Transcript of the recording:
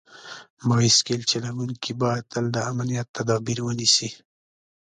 بایسکل چلونکي باید تل د امنیت تدابیر ونیسي.